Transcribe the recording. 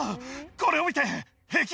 これを見て。